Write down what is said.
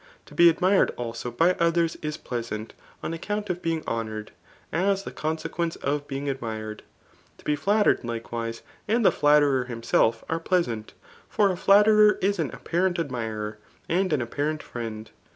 Td be admired also bf others is pleasant, on account of being honoured, £as th^ eoniiequence of being admired.] To be ffatterefd, Itk^i nme, and the flatterer himself are pleasant f for a flatterei^ h m apparent admira'> and an apparent friend.